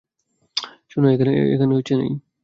সোনা এখানে নেই।